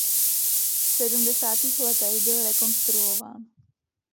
V sedmdesátých letech byl rekonstruován.